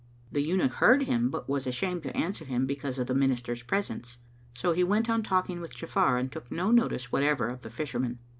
The Eunuch heard him, but was ashamed to answer him because of the minister's presence; so he went on talking with Ja'afar and took no notice whatever of the Fisherman.